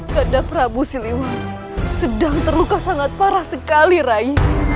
kandang prabu siliwa sedang terluka sangat parah sekali rai